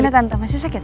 dimana tante masih sakit